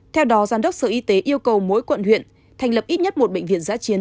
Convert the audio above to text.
theo đó giám đốc sở y tế yêu cầu mỗi quận huyện thành lập ít nhất một bệnh viện giã chiến